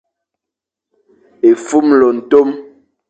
Efumle ntom ;